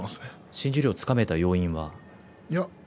新十両をつかめた要因は？